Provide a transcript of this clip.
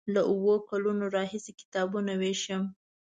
له اوو کلونو راهیسې کتابونه ویشم.